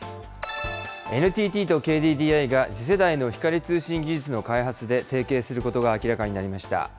ＮＴＴとＫＤＤＩが次世代の光通信技術の開発で提携することが明らかになりました。